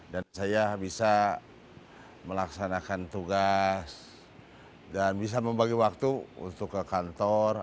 dan saya bisa melaksanakan tugas dan bisa membagi waktu untuk ke kantor